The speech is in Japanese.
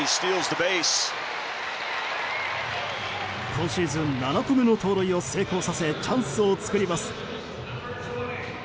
今シーズン７個目の盗塁を成功させ、チャンスを作ります。